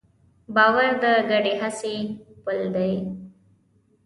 باور د ګډې هڅې پُل دی.